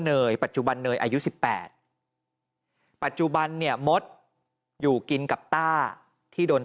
เนยปัจจุบันเนยอายุ๑๘ปัจจุบันเนี่ยมดอยู่กินกับต้าที่โดน